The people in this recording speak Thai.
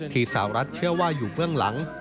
สาวรัฐเชื่อว่าอยู่เบื้องหลัง